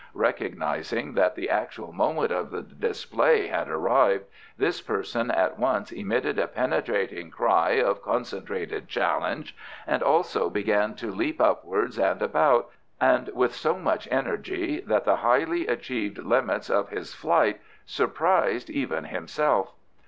Recognising that the actual moment of the display had arrived, this person at once emitted a penetrating cry of concentrated challenge, and also began to leap upwards and about, and with so much energy that the highly achieved limits of his flight surprised even himself.